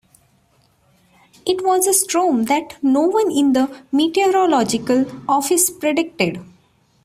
It was a storm that no one in the meteorological office predicted.